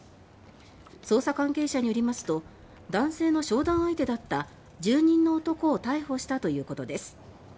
捜査関係者によりますと男性の商談相手だった住人の男を逮捕したということです。